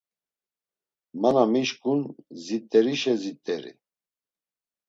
Ma na mişǩun, zit̆erişe zit̆eri.